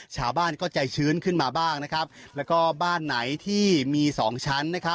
ชาวบ้านก็ใจชื้นขึ้นมาบ้างนะครับแล้วก็บ้านไหนที่มีสองชั้น